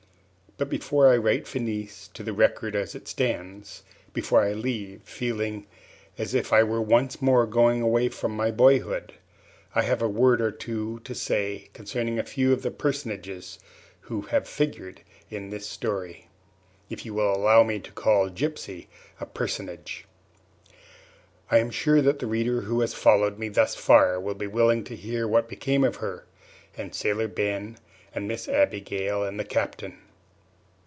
But before I write Finis to the record as it stands, before I leave it feeling as if I were once more going away from my boyhood I have a word or two to say concerning a few of the personages who have figured in the story, if you will allow me to call Gypsy a personage. I am sure that the reader who has followed me thus far will be willing to hear what became of her, and Sailor Ben and Miss Abigail and the Captain.